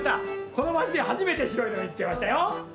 このまちではじめて白いのみつけましたよ。